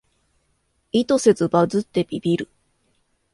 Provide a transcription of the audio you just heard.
意図せずバズってビビる